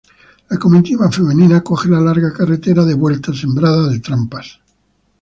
La comitiva femenina coge la larga carretera de vuelta, sembrada de trampas.